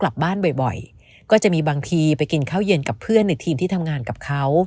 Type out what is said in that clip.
บางทีไปกินข้าวเย็นกับเพื่อนในทีมที่ทำงานกับเขา